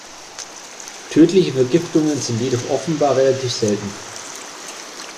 Tödliche Vergiftungen sind jedoch offenbar relativ selten.